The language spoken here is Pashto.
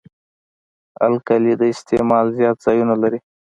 القلي د استعمال زیات ځایونه لري.